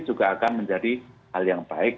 juga akan menjadi hal yang baik